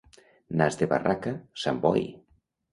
Nas de barraca, Sant Boi!